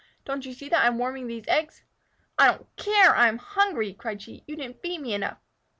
Don't you see that I am warming these eggs?" "I don't care! I am hungry," cried she. "You didn't feed me enough."